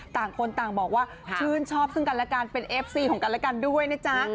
ต่างคนต่างบอกว่าชื่นชอบซึ่งกันและกันเป็นเอฟซีของกันและกันด้วยนะจ๊ะ